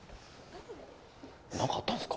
なんかあったんすか？